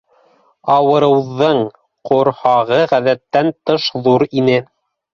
Ауырыуҙың ҡорһағы ғәҙәттән тыш ҙур ине